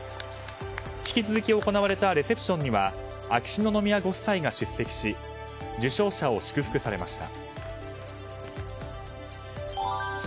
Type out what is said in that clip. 引き続き行われたレセプションには秋篠宮ご夫妻が出席し受賞者を祝福されました。